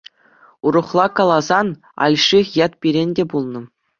Урӑхла каласан, Альших ят пирӗн те пулнӑ.